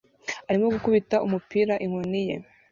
arimo gukubita umupira inkoni ye